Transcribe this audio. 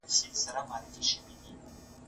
تاسو باید خپل پس انداز په سم ځای کي وکاروئ.